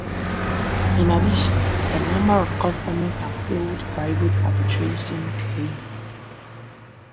In addition, a number of customers have filed private arbitration claims.